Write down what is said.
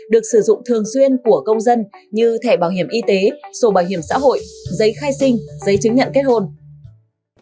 được sử dụng thường xuyên của công dân như thẻ bảo hiểm y tế sổ bảo hiểm xã hội giấy khai sinh giấy chứng nhận kết hôn